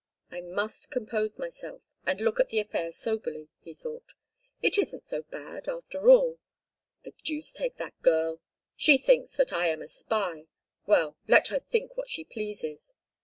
"I must compose myself and look at the affair soberly," he thought. "It isn't so bad, after all. The deuce take that girl. She thinks that I am a spy; well, let her think what she pleases.